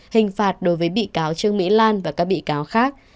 hình phạt đối với bị cáo trương mỹ lan và các bị cáo khác